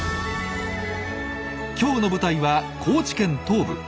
今日の舞台は高知県東部。